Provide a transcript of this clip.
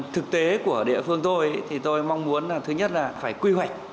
thực tế của địa phương tôi thì tôi mong muốn là thứ nhất là phải quy hoạch